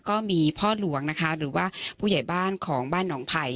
ก็มีพ่อหลวงนะคะหรือว่าผู้ใหญ่บ้านของบ้านหนองไผ่